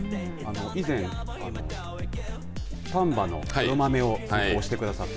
以前、丹波の黒豆を推してくださって。